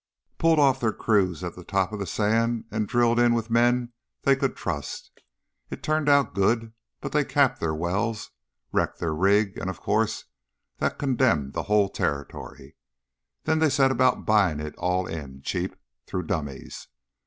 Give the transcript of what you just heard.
Pulled off their crews at the top of the sand and drilled in with men they could trust. It turned out good, but they capped their wells, wrecked their rigs, and, of course, that condemned the whole territory. Then they set about buying it all in, cheap through dummies.